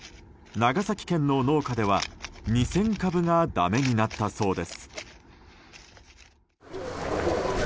長崎県の農家では２０００株がだめになったそうです。